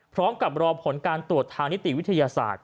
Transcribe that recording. พร้อมกับรอผลการตรวจทางนิติวิทยาศาสตร์